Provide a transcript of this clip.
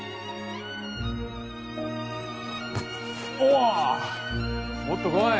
おぉもっと来い。